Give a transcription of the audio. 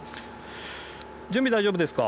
準備大丈夫ですか？